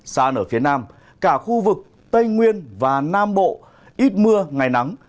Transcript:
xa nở phía nam cả khu vực tây nguyên và nam bộ ít mưa ngày nắng